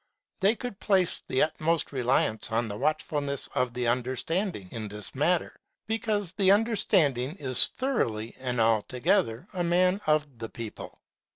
They could place the utmost reliance on the watchfulness of the un derstanding, in this matter, because the under standing is thoroughly and altogether a man of the people.